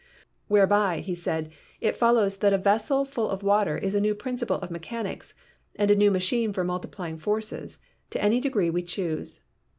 "Whereby," he said, "it follows that a vessel full of water is a new principle of mechanics and a new machine for multiplying forces to any degree we choose."